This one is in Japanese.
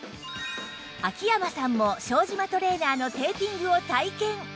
秋山さんも庄島トレーナーのテーピングを体験